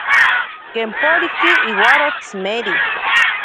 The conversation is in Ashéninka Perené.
Kemporiki iwaro tsimeri.